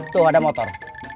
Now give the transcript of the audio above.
tuh ada motor